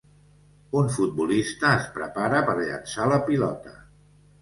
Un futbolista es prepara per llançar la pilota.